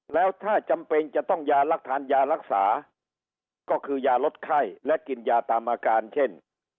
แล้วถ้าจำเป็นจะต้องยารักฐานยารักษาก็คือยาลดไข้และกินยาตามอาการเช่น